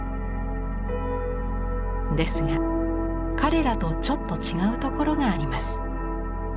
ですが彼らとちょっと違うところがあります。